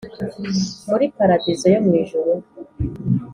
muri paradizo yo mwijuru.